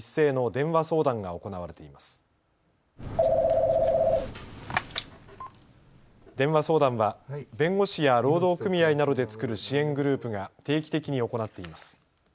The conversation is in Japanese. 電話相談は弁護士や労働組合などで作る支援グループが定期的に行っています。